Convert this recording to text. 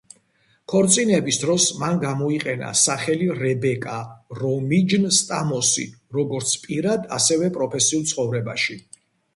ქორწინების დროს მან გამოიყენა სახელი რებეკა რომიჯნ-სტამოსი, როგორც პირად, ასევე პროფესიულ ცხოვრებაში.